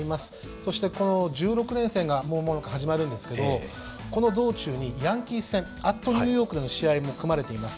そしてこの１６連戦がもう間もなく始まるんですけどこの道中にヤンキース戦＠ニューヨークでの試合も含まれています。